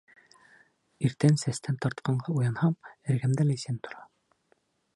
Иртән сәстән тартҡанға уянһам, эргәмдә Ләйсән тора.